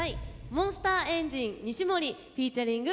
モンスターエンジン・西森フィーチャリング